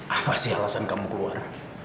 apa sih alasan kamu keluar